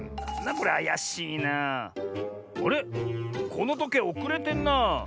このとけいおくれてんなあ。